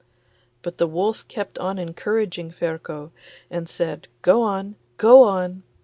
But the wolf kept on encouraging Ferko, and said, 'Go on! go on!